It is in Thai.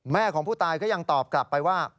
ของผู้ตายก็ยังตอบกลับไปว่า